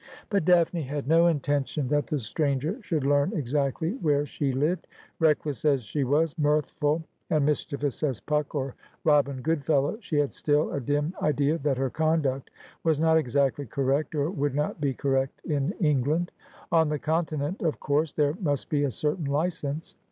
But Daphne had no intention that the stranger should learn exactly where she lived. Reckless as she was, mirthful and mischievous as Puck or Robin Goodfellow, she had still a dim idea that her conduct was not exactly correct, or would not be correct in England. On the Continent, of course, there must be a certain license.